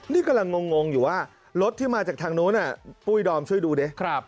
นี่กำลังงงอยู่ว่ารถที่มาจากทางนู้นปุ้ยดอมช่วยดูดิ